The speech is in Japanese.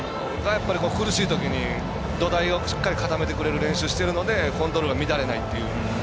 苦しいときに土台をしっかり固めてくれる練習してるのでコントロールが乱れないという。